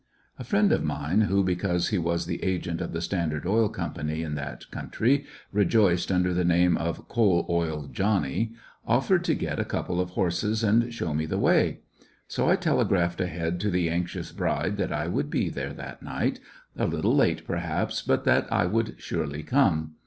A friend of mine, who, because he was the agent of the Standard Oil Company in that country, rejoiced under the name of "Coal oil Johnny," offered to get a couple of horses and show me the way. So I telegraphed ahead to the anxious bride that I would be there that night— a little late, perhaps, but that I would surely come.